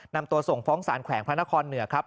นำตัวส่งฟ้องสารแขวงพระนครเหนือครับ